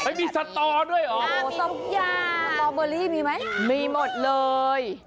มีสตอด้วยเหรอสต๊อกยาสตอเบอร์รี่มีไหมมีหมดเลย